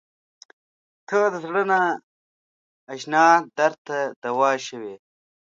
• ته د زړه نااشنا درد ته دوا شوې.